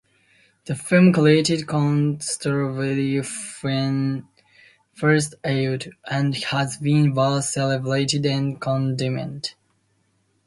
"The Firm" created controversy when first aired, and has been both celebrated and condemned.